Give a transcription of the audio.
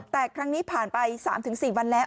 แต่ครั้งนี้ผ่านไป๓๔วันแล้ว